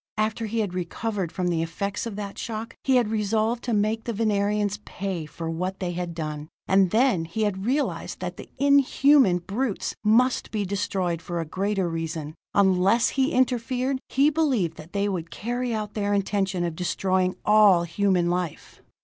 After he had recovered from the effects of that shock, he had resolved to make the Venerians pay for what they had done. And then he had realized that the inhuman brutes must be destroyed for a greater reason: unless he interfered, he believed that they would carry out their intention of destroying all human life.